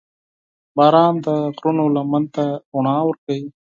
• باران د غرونو لمن ته رڼا ورکوي.